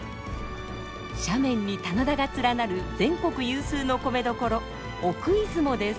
斜面に棚田が連なる全国有数の米どころ奥出雲です。